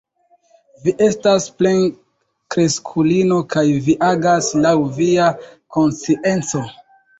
Vi estas plenkreskulino kaj vi agas laŭ via konscienco.